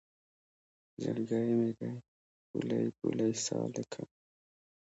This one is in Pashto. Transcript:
زړګی مې دی پولۍ پولۍ سالکه